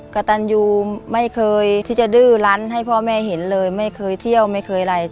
กระตันยูไม่เคยที่จะดื้อลั้นให้พ่อแม่เห็นเลยไม่เคยเที่ยวไม่เคยอะไร